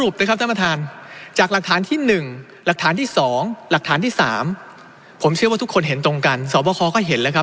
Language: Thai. เพราะว่าทุกคนเห็นตรงกันสวบคก็เห็นแล้วครับ